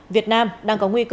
việt nam đang có nguyên liệu